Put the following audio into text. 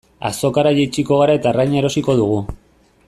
Azokara jaitsiko gara eta arraina erosiko dugu.